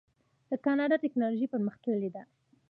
د کاناډا ټیکنالوژي پرمختللې ده.